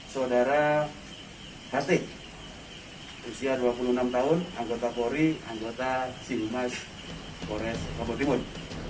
saudara ht usia dua puluh enam tahun anggota polri anggota simmas polres lombok timur